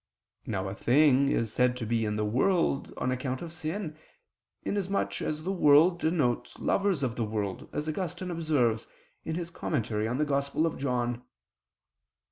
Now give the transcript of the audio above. Now a thing is said to be in the world on account of sin, in as much as the world denotes lovers of the world, as Augustine observes (Tract. ii in Joan.).